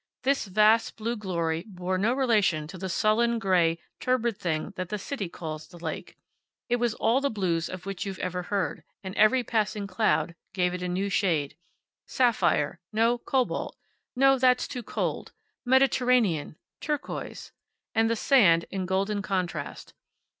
This vast blue glory bore no relation to the sullen, gray, turbid thing that the city calls the lake. It was all the blues of which you've ever heard, and every passing cloud gave it a new shade. Sapphire. No, cobalt. No, that's too cold. Mediterranean. Turquoise. And the sand in golden contrast.